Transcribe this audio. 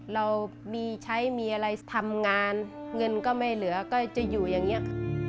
เรามีใช้มีอะไรทำงานเงินก็ไม่เหลือก็จะอยู่อย่างนี้